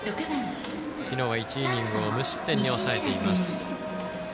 昨日は１イニングを無失点に抑えています。